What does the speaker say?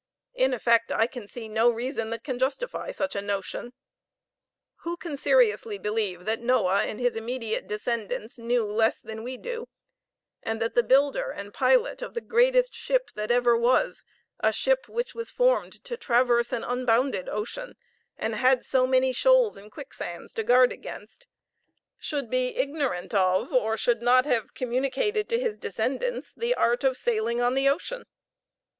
In effect, I can see no reason that can justify such a notion. Who can seriously believe that Noah and his immediate descendants knew less than we do, and that the builder and pilot of the greatest ship that ever was, a ship which was formed to traverse an unbounded ocean, and had so many shoals and quicksands to guard against, should be ignorant of, or should not have communicates to his descendants, the art of sailing on the ocean?